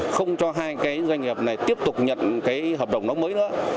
không cho hai doanh nghiệp này tiếp tục nhận hợp đồng đóng mới nữa